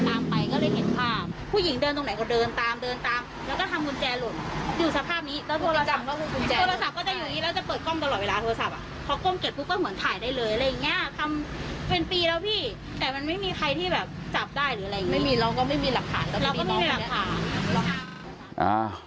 ทำเป็นปีแล้วพี่แต่มันไม่มีใครที่แบบจับได้เราก็ไม่มีหลักฐาน